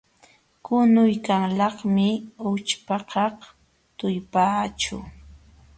Qunuykanlaqmi ućhpakaq tullpaaćhu.